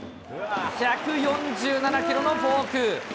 １４７キロのフォーク。